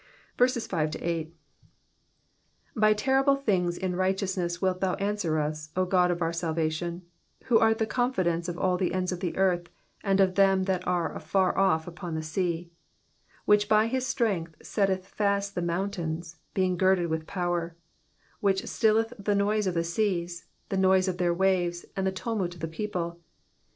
5 By terrible things in righteousness wilt thou answer us, O God of our salvation ; wAo art the confidence of all the ends of the earth, and of them that are afar oflf upon the sea : 6 Which by his strength setteth fast the mountains ; being girded with power : 7 Which stilleth the noise of the seas, the noise of their waves, and the tumult of the people.